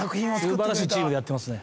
素晴らしいチームでやってますね。